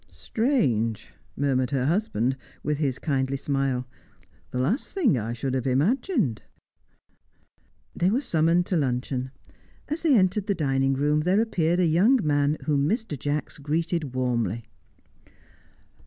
"Strange!" murmured her husband, with his kindly smile. "The last thing I should have imagined." They were summoned to luncheon. As they entered the dining room, there appeared a young man whom Mr. Jacks greeted warmly.